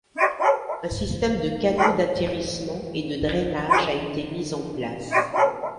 Un système de canaux d’atterrissement et de drainage a été mis en place.